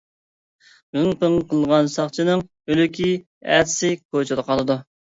غىڭ-پىڭ قىلغان ساقچىنىڭ ئۆلۈكى ئەتىسى كوچىدا قالىدۇ.